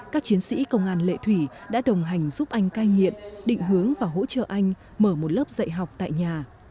các chiến sĩ công an lệ thủy đã đồng hành giúp anh cai nghiện định hướng và hỗ trợ anh mở một lớp dạy học tại nhà